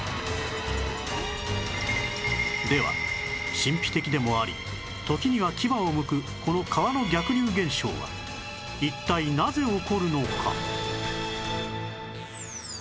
では神秘的でもあり時には牙をむくこの川の逆流現象は一体なぜ起こるのか？